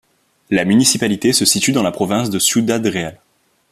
La municipalité se situe dans la province de Ciudad Real.